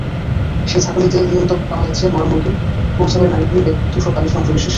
সেই ছাঁকনিতে নিয়মিত পাওয়া যাচ্ছে মরা মুরগি, গরু-ছাগলের নাড়িভুঁড়ি, লেপ-তোশক-বালিশের অংশবিশেষ।